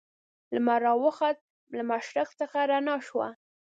لمر را وخوت له مشرق څخه رڼا شوه.